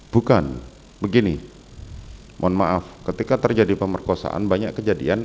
bukan begini mohon maaf ketika terjadi pemerkosaan banyak kejadian